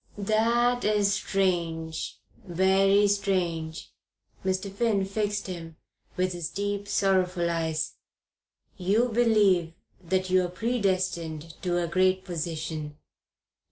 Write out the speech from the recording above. "That is strange very strange." Mr. Finn fixed him with his deep, sorrowful eyes. "You believe that you're predestined to a great position.